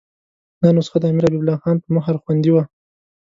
دا نسخه د امیر حبیب الله خان په مهر خوندي وه.